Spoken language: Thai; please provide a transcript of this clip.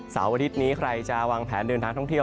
อาทิตย์นี้ใครจะวางแผนเดินทางท่องเที่ยว